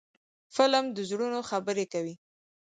فلم د زړونو خبرې کوي